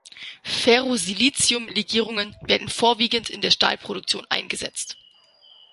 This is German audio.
Ferrosilicium-Legierungen werden vorwiegend in der Stahlproduktion eingesetzt.